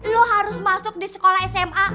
lo harus masuk di sekolah sma